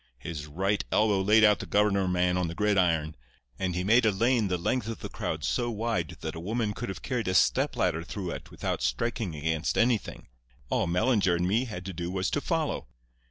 His right elbow laid out the governor man on the gridiron, and he made a lane the length of the crowd so wide that a woman could have carried a step ladder through it without striking against anything. All Mellinger and me had to do was to follow.